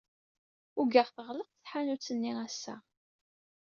Ugaɣ teɣleq tḥanut-nni ass-a.